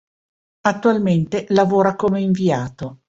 Attualmente lavora come inviato.